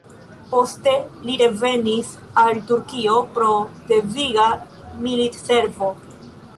Poste li revenis al Turkio pro deviga militservo.